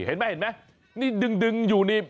เห็นไหมนี่ดึงอยู่นี่